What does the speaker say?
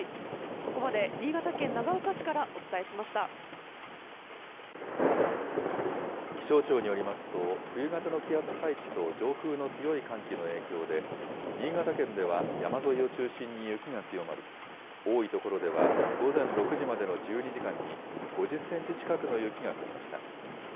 ここまで新潟県長岡市からお伝え気象庁によりますと、冬型の気圧配置と上空の強い寒気の影響で、新潟県では山沿いを中心に雪が強まり、多い所では午前６時までの１２時間に、５０センチ近くの雪が降りました。